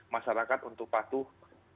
masyarakat untuk patuh